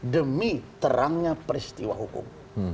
demi terangnya peristiwa hukum